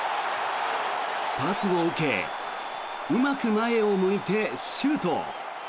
パスを受けうまく前を向いてシュート。